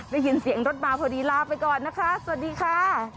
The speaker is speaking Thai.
ได้ยินเสียงรถมาพอดีลาไปก่อนนะคะสวัสดีค่ะ